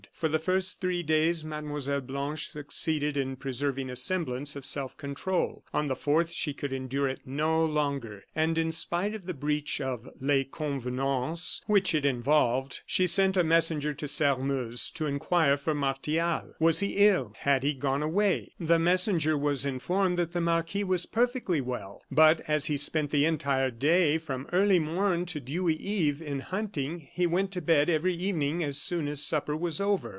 For the first three days Mlle. Blanche succeeded in preserving a semblance of self control; on the fourth she could endure it no longer, and in spite of the breach of "les convenances" which it involved, she sent a messenger to Sairmeuse to inquire for Martial. Was he ill had he gone away? The messenger was informed that the marquis was perfectly well, but, as he spent the entire day, from early morn to dewy eve, in hunting, he went to bed every evening as soon as supper was over.